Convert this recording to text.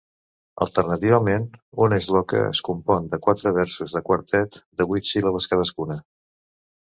Alternativament, una "shloka" es compon de quatre versos de quartet, de vuit síl·labes cadascuna.